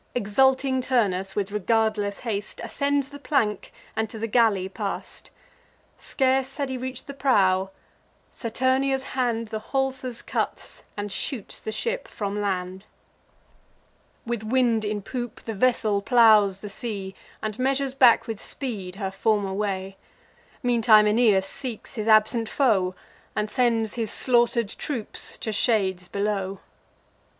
Exulting Turnus, with regardless haste, Ascends the plank, and to the galley pass'd. Scarce had he reach'd the prow: Saturnia's hand The haulsers cuts, and shoots the ship from land. With wind in poop, the vessel plows the sea, And measures back with speed her former way. Meantime Aeneas seeks his absent foe, And sends his slaughter'd troops to shades below.